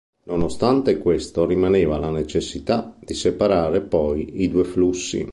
Nonostante questo, rimaneva la necessità di separare poi i due flussi.